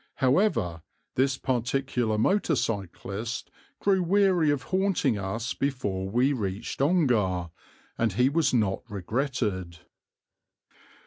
However, this particular motor cyclist grew weary of haunting us before we reached Ongar, and he was not regretted.